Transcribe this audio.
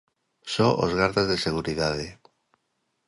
Só os gardas de seguridade.